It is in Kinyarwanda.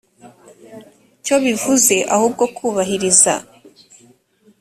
cyo bivuze ahubwo kubahiriza